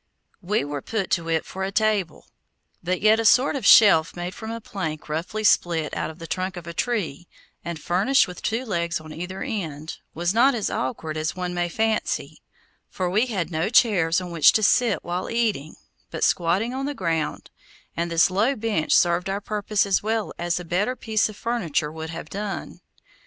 We were put to it for a table; but yet a sort of shelf made from a plank roughly split out of the trunk of a tree, and furnished with two legs on either end, was not as awkward as one may fancy, for we had no chairs on which to sit while eating; but squatted on the ground, and this low bench served our purpose as well as a better piece of furniture would have done.